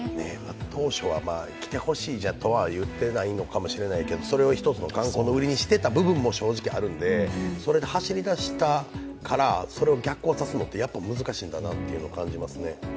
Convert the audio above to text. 当初は来てほしいとは言ってないのかもしれないけど、それを一つの観光の売りにしていた部分も正直あるのでそれで走り出したから、それを逆行さすのはやはり難しいんだなと感じますね。